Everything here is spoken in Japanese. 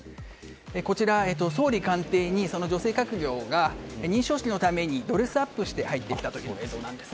こちら、総理官邸に女性閣僚が認証式のためにドレスアップして入ってきた時の映像です。